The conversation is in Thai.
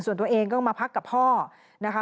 ส่วนตัวเองก็มาพักกับพ่อนะคะ